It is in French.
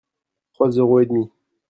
Trois euros et demi.